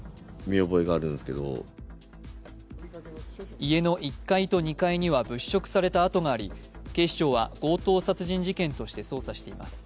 家の１階と２階には物色されたあとがあり、警視庁は強盗殺人事件として捜査しています。